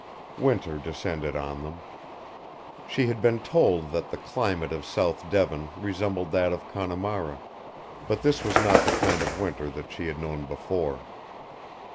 Winter descended on them. She had been told that the climate of South Devon resembled that of Connemara, but this was not the kind of winter that she had known before.